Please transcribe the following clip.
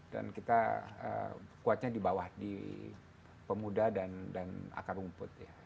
dan kita kuatnya di bawah di pemuda dan akar rumput